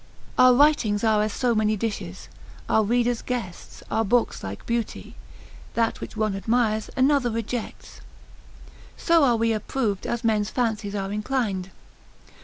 Our writings are as so many dishes, our readers guests, our books like beauty, that which one admires another rejects; so are we approved as men's fancies are inclined.